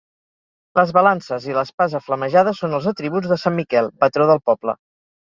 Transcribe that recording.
Les balances i l'espasa flamejada són els atributs de sant Miquel, patró del poble.